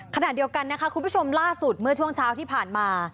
ขณะเดียวกันนะคะคุณผู้ชมล่าสุดเมื่อช่วงเช้าที่ผ่านมา